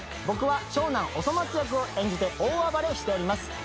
僕は長男おそ松役を演じて大暴れをしております。